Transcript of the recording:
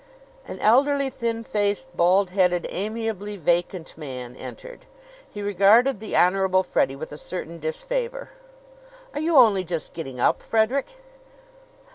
An elderly, thin faced, bald headed, amiably vacant man entered. He regarded the Honorable Freddie with a certain disfavor. "Are you only just getting up, Frederick?"